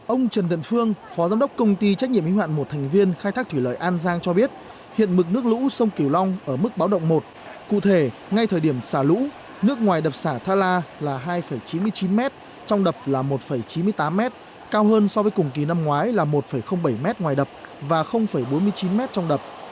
ông trần phương phó giám đốc công ty trách nhiệm hữu hạn một thành viên khai thác thủy lợi an giang cho biết hiện mực nước lũ sông kiều long ở mức báo động một cụ thể ngay thời điểm xả lũ nước ngoài đập xả la là hai chín mươi chín m trong đập là một chín mươi tám m cao hơn so với cùng kỳ năm ngoái là một bảy m ngoài đập và bốn mươi chín m trong đập